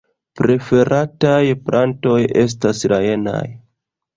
Preferataj plantoj estas la jenaj.